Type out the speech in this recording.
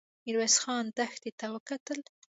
ميرويس خان دښتې ته وکتل.